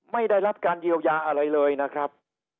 ไม่ได้รับการเยียวยาอะไรเลยนะครับ